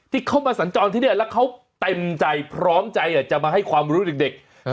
ที่เขามาสัญจรที่นี่แล้วเขาเต็มใจพร้อมใจจะมาให้ความรู้เด็ก